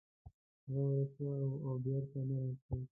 هغه ورک شوی و او بیرته نه راتلو.